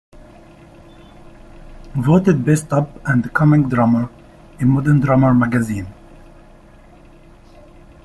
Voted best Up and Coming drummer in Modern Drummer magazine.